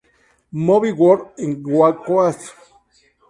Movie World en Gold Coast.